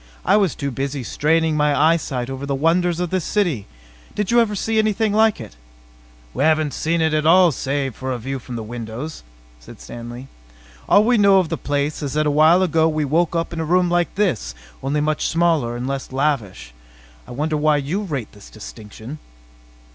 "I was too busy straining my eyesight over the wonders of this city. Did you ever see anything like it?" "We haven't seen it at all, save for a view from the windows," said Stanley. "All we know of the place is that a while ago we woke up in a room like this, only much smaller and less lavish. I wonder why you rate this distinction?"